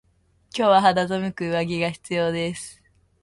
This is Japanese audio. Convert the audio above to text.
今日は肌寒く上着が必要です。